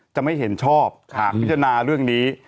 จะไม่เห็นชอบหากพิจารณาเรื่องนี้